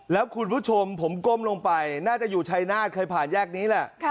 แล้วคุณผู้ชมผมก้มลงไปน่าจะอยู่ชายนาฏเคยผ่านแยกนี้แหละ